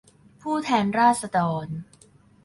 ผู้แทนราษฎร